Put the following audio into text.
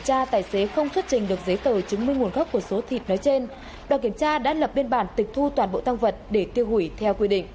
hãy đăng ký kênh để ủng hộ kênh của chúng mình nhé